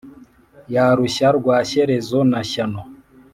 ya rushya rwa shyerezo na shyano,